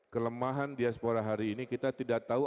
kelemahan diaspora hari ini kita tidak tahu